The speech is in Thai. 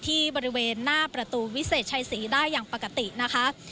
ที่บริเวณหน้าประตูวิเศษชัยศรีได้อย่างปกตินะคะ